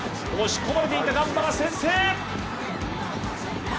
押し込まれていたガンバが先制！